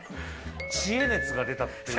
知恵熱が出たっていう。